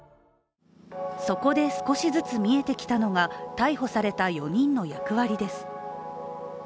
そこで、少しずつ見えてきたのが逮捕された４人の役割です。